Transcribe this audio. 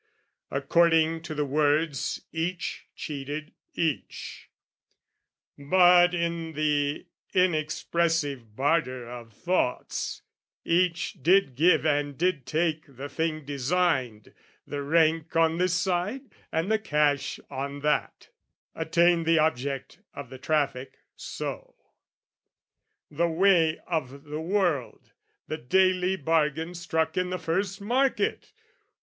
According to the words, each cheated each; But in the inexpressive barter of thoughts, Each did give and did take the thing designed, The rank on this side and the cash on that Attained the object of the traffic, so. The way of the world, the daily bargain struck In the first market!